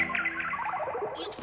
よっ。